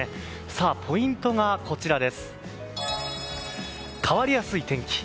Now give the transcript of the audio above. ポイントが、変わりやすい天気。